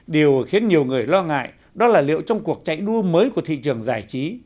điều khiến nhiều người lo ngại đó là liệu trong cuộc chạy đua mới của thị trường giải trí